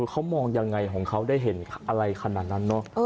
เขามองยังไงของเขาได้เห็นอะไรขนาดนั้นเนอะ